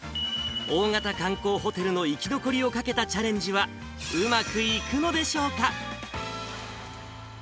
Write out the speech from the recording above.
大型観光ホテルの生き残りをかけたチャレンジは、うまくいくのでしょうか。